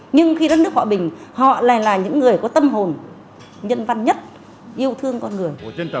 nhưng khi đất nước họ bình họ lại là những người có tâm hồn nhân văn nhất yêu thương con người